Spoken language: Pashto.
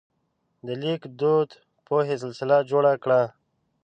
د لیک دود د پوهې سلسله جوړه کړه.